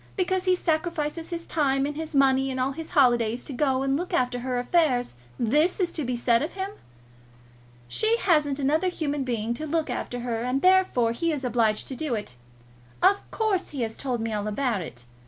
Because he sacrifices his time and his money and all his holidays to go and look after her affairs, this is to be said of him! She hasn't another human being to look after her, and, therefore, he is obliged to do it. Of course he has told me all about it.